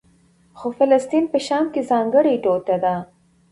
خو فلسطین په شام کې ځانګړې ټوټه ده.